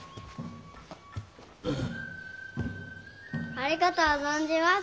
ありがとう存じます